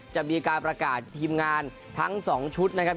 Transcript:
จะมีการประกาศทีมงานทั้ง๒ชุดนะครับ